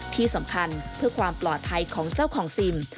ที่สำคัญเพื่อความปลอดภัยของเจ้าของซิม